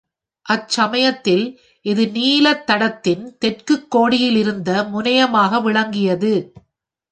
அச்சமயத்தில், இது நீலத் தடத்தின் தெற்குக்கோடியிலிருந்த முனையமாக விளங்கியது.